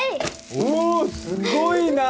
おおすごいなあ！